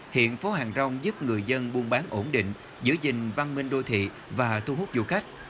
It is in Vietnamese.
hiện phố hàng rong giúp người dân buôn bán ổn định giữ gìn văn minh đô thị và thu hút du khách